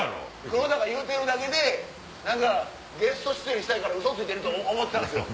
黒田が言うてるだけで何かゲスト出演したいからウソついてると思ってたんですよ。